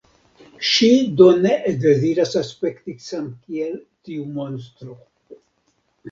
Ŝi do ne deziras aspekti samkiel tiu monstro.